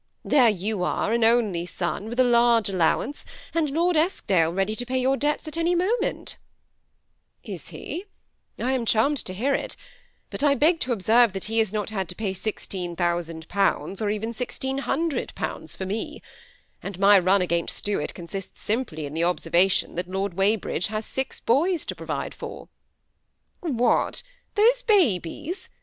There you are, an only son, with a large aUow ance, and Lord Eskdale ready to pay your debts at any moment." " Is he ? I am charmed to hear it ; but I beg to ob* serve that he has not had to pay £16,000 or even £1600 for me. And my run against Stuart consists simply in the observation that Lord Weybridge has six boys to provide for." " What ! those babies